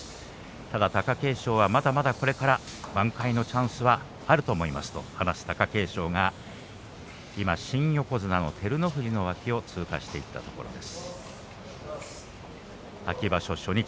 ただ貴景勝はまだまだこれから挽回のチャンスはあると思いますと話す貴景勝は今、新横綱照ノ富士の脇を通過していったところです。